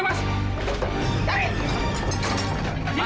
mas ada bagunya